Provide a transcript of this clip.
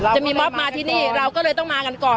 จะมีม็อบมาที่นี่เราก็เลยต้องมากันก่อน